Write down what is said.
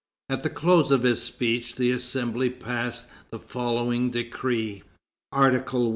At the close of his speech the Assembly passed the following decree: "ARTICLE 1.